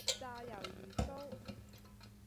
炸魷魚鬚